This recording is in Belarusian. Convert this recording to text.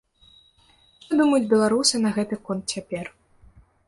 Што думаюць беларусы на гэты конт цяпер?